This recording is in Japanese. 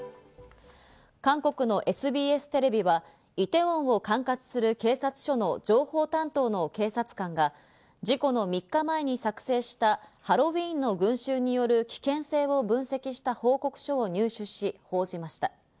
韓国のＳＢＳテレビはイテウォンを管轄する警察署の情報担当の警察官が事故の３日前に作成したハロウィーンの群衆による危険性を分析した報告書を入手し、報じました。